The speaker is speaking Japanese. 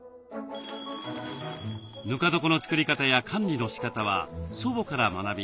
ぬか床の作り方や管理のしかたは祖母から学び